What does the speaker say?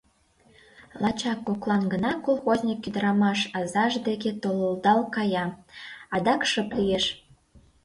Лачак коклан гына колхозник ӱдырамаш азаж деке толылдал кая, адак шып лиеш.